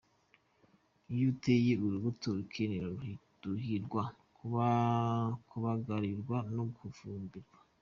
Iyo uteye urubuto rukenera kuhirwa, kubagarirwa no gufumbirwa.